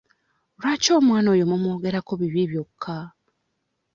Lwaki omwana oyo mumwogerako bibi byokka?